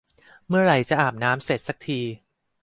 เมื่อไหร่จะอาบน้ำเสร็จสักที